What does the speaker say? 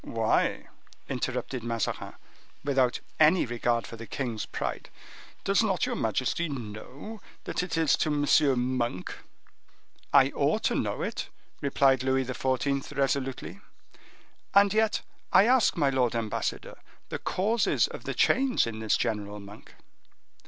"Why," interrupted Mazarin, without any regard for the king's pride—"does not your majesty know that it is to M. Monk?" "I ought to know it," replied Louis XIV., resolutely; "and yet I ask my lord ambassador, the causes of the change in this General Monk?"